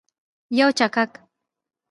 یو چکچک